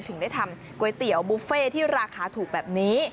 ถึงได้ทำก๋วยเตี๋ยวบุฟเฟ่ที่ราคาถูกแบบนี้